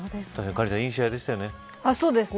カリンさんいい試合でしたよね。